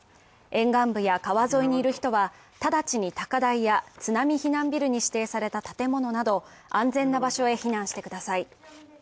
沿岸部や川沿いにいる人は直ちに高台や津波避難ビルに指定された建物など安全な場所へ避難してください。